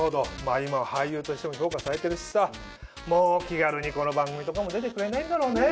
今は俳優としても評価されてるしさもう気軽にこの番組とかも出てくれないんだろうねぇ。